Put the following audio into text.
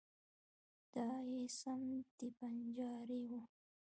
دای یې سم دم بنجارۍ و.